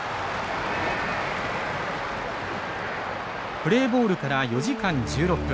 プレーボールから４時間１６分。